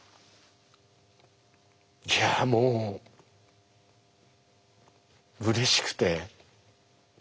いやもううれしくて。